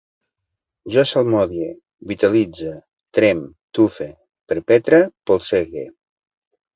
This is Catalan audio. Jo salmodie, vitalitze, trem, tufe, perpetre, polsege